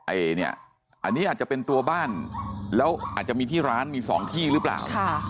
อันนี้อาจจะเป็นตัวบ้านแล้วอาจจะมีที่ร้านมี๒ที่หรือเปล่า